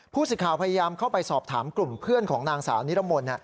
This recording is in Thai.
สิทธิ์พยายามเข้าไปสอบถามกลุ่มเพื่อนของนางสาวนิรมนต์